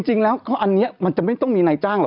จริงแล้วอันนี้มันจะไม่ต้องมีนายจ้างหรอก